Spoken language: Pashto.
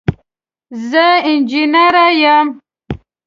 زه انجنیره یم.